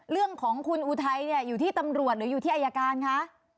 เรื่องของคุณอุทัยเนี่ยอยู่ที่ตำรวจหรืออยู่ที่อายการคะ